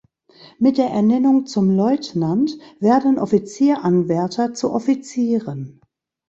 Mit der Ernennung zum Leutnant werden Offizieranwärter zu Offizieren.